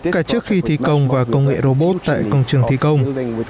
cả trước khi thi công và công nghệ robot tại công trường thi công